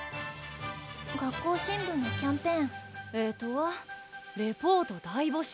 学校新聞のキャンペーンえーっと「レポート大募集」ふんふん！